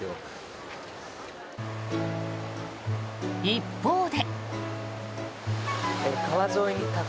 一方で。